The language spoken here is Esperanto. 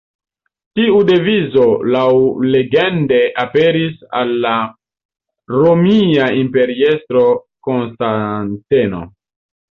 Tiu devizo laŭlegende aperis al la romia imperiestro Konstanteno.